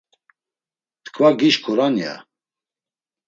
T̆ǩva gişǩuran, ya.